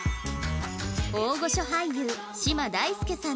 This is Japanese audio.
大御所俳優嶋大輔さんのまな娘